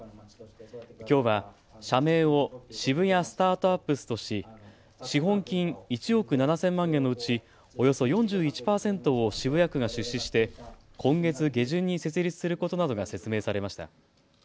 きょうは社名をシブヤスタートアップスとし資本金１億７０００万円のうちおよそ４１％を渋谷区が出資して今月下旬に設立することなどが説明されました。